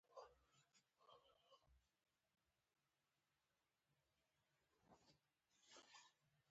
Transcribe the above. هغه د خلکو یووالی ولید.